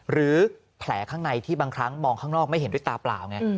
หรือแผลข้างในที่บางครั้งมองข้างนอกไม่เห็นด้วยตาเปล่าไง